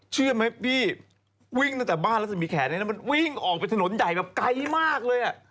เชื่อไหมพี่วิ่งตั้งแต่บ้านรัศมีแขนเลยนะมันวิ่งออกไปถนนใหญ่แบบไกลมากเลยอ่ะ